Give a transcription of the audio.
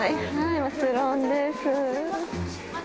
もちろんです。